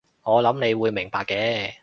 我諗你會明白嘅